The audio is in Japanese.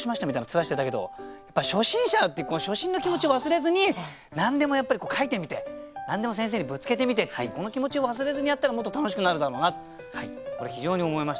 面してたけどやっぱ初心者って初心の気持ちを忘れずに何でもやっぱり書いてみて何でも先生にぶつけてみてっていうこの気持ちを忘れずにやったらもっと楽しくなるだろうなってこれ非常に思いましたね。